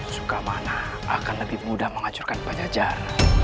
suka mana akan lebih mudah menghancurkan pajajar